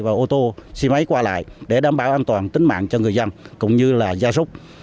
và ô tô xe máy qua lại để đảm bảo an toàn tính mạng cho người dân cũng như là gia súc